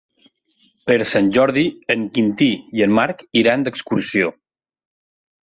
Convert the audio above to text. Per Sant Jordi en Quintí i en Marc iran d'excursió.